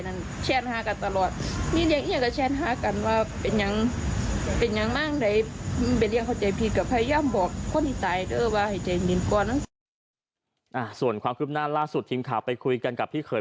แล้วว่าให้ใจเนียนก่อนอ่ะส่วนความคิบหน้าล่าสุดทีมข่าวไปคุยกันกับพี่เขย